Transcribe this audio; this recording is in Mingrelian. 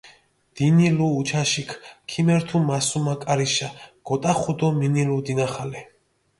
დინილუ უჩაშიქინ, ქიმერთუ მასუმა კარიშა, გოტახუ დო მინილუ დინახალე.